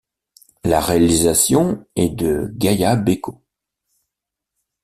La réalisation est de Gaya Bécaud.